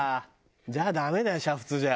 じゃあダメだよ煮沸じゃ。